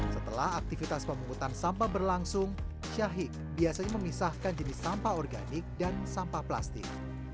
setelah aktivitas pemungutan sampah berlangsung syahik biasanya memisahkan jenis sampah organik dan sampah plastik